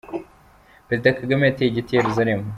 Perezida Kagame yateye igiti i Yeruzalemu:.